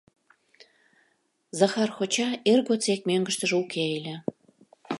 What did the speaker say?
Захар коча эр годсек мӧҥгыштыжӧ уке ыле.